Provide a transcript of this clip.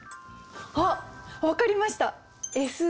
あっ分かりました。